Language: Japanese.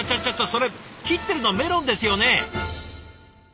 それ切ってるのメロンですよね？